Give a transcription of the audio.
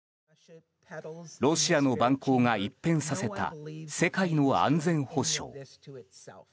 ロシアの蛮行が一変させた世界の安全保障。